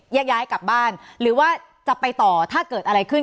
แยกย้ายกลับบ้านหรือว่าจะไปต่อถ้าเกิดอะไรขึ้น